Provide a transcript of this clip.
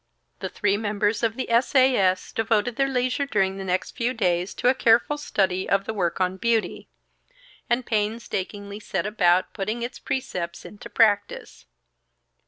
The three members of the S. A. S. devoted their leisure during the next few days to a careful study of the work on Beauty; and painstakingly set about putting its precepts into practice.